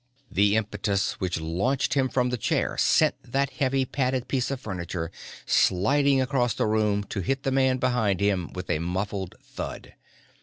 The impetus which launched him from the chair sent that heavy padded piece of furniture sliding across the floor to hit the man behind him with a muffled thud.